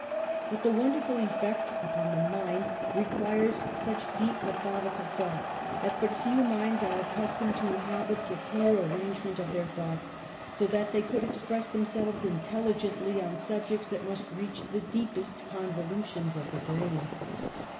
But the wonderful effect upon the 7nind re quires such deep methodical thought, that but few minds are accustomed to habits of clear arrangement of their thoughts so that they could express them selves intelligently on subjects that must reach the deepest convolutions of the brain.